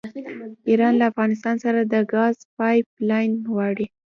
ایران له پاکستان سره د ګاز پایپ لاین غواړي.